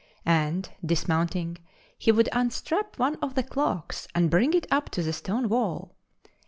And, dismounting, he would unstrap one of the clocks and bring it up to the stone wall.